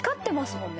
もんね